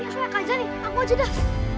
ya kayak aja nih aku aja dah